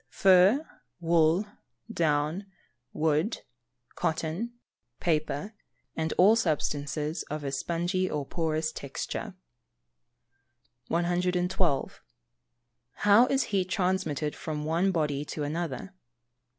_ Fur, wool, down, wood, cotton, paper, and all substances of a spongy or porous texture. 112. _How is heat transmitted from one body to another?